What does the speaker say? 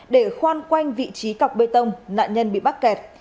để khoan quanh vị trí cọc bê tông nạn nhân bị mắc kẹt